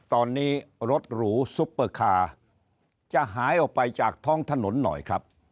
ตอนนี้รถหรูซุปเปอร์คาร์จะหายออกไปจากท้องถนนหน่อยครับ